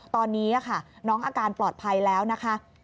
ตอนนี้ค่ะน้องอาการปลอดภัยแล้วนะคะ